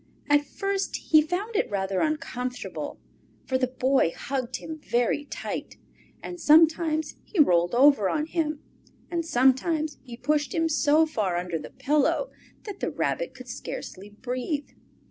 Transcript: At first he found it rather uncomfortable, for the Boy hugged him very tight, and sometimes he rolled over on him, and sometimes he pushed him so far under the pillow that the Rabbit could scarcely breathe.